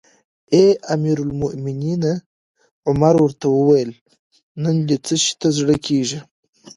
اې امیر المؤمنینه! عمر ورته وویل: نن دې څه شي ته زړه کیږي؟